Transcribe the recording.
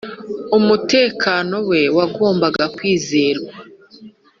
umutekano we wagombaga kwizezwa,